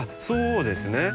そうですね。